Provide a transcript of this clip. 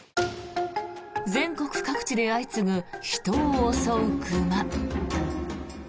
全国各地で相次ぐ人を襲う熊。